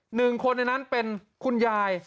หนึ่งคนในนั้นเป็นคุณยาย